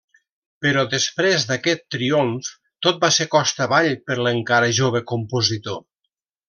Però després d'aquest triomf tot va ser costa avall per l'encara jove compositor.